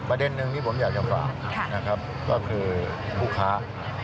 หนึ่งที่ผมอยากจะฝากนะครับก็คือผู้ค้า